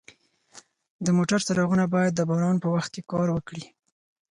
د موټر څراغونه باید د باران په وخت کار وکړي.